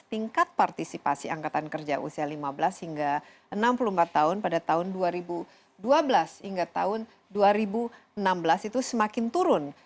tingkat partisipasi angkatan kerja usia lima belas hingga enam puluh empat tahun pada tahun dua ribu dua belas hingga tahun dua ribu enam belas itu semakin turun